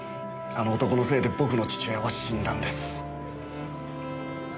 あの男のせいで僕の父親は死んだんです。